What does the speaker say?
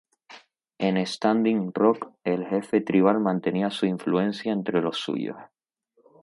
En Standing Rock, el jefe tribal mantenía su influencia entre los suyos.